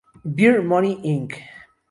Beer Money, Inc.